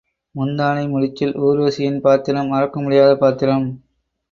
முந்தானை முடிச்சில் ஊர்வசியின் பாத்திரம் மறக்க முடியாத பாத்திரம்.